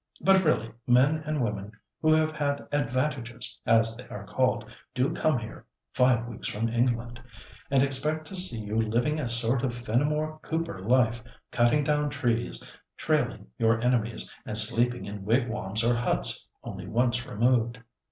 But really men and women who have had 'advantages,' as they are called, do come out here (five weeks from England) and expect to see you living a sort of Fenimore Cooper life, cutting down trees, 'trailing' your enemies, and sleeping in wigwams or huts only once removed."